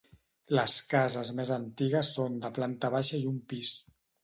Les cases més antigues són de planta baixa i un pis.